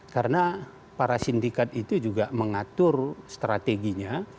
karena para sindikat itu juga mengatur strateginya